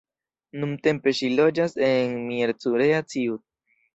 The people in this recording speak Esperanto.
Nuntempe ŝi loĝas en Miercurea Ciuc.